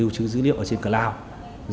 chứ dữ liệu ở trên cloud